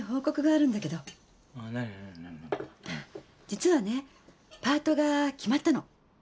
実はねパートが決まったの。